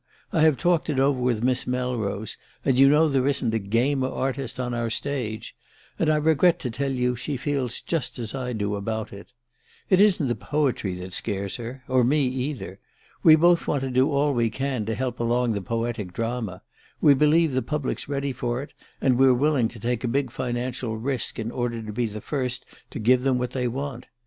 I have talked it over with Miss Melrose and you know there isn't a gamer artist on our stage and I regret to tell you she feels just as I do about it. It isn't the poetry that scares her or me either. We both want to do all we can to help along the poetic drama we believe the public's ready for it, and we're willing to take a big financial risk in order to be the first to give them what they want.